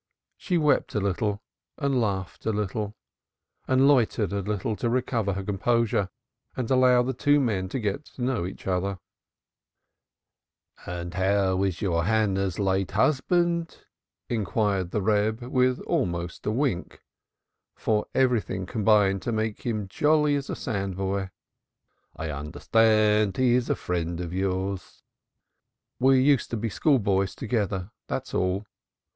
She wept a little and laughed a little, and loitered a little to recover her composure and allow the two men to get to know each other a little. "How is your Hannah's late husband?" inquired the Reb with almost a wink, for everything combined to make him jolly as a sandboy. "I understand he is a friend of yours." "We used to be schoolboys together, that is all.